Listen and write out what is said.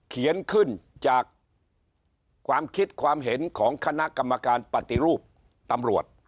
เขียนขึ้นจากความคิดความเห็นของคณะกรรมการปฏิรูปตำรวจ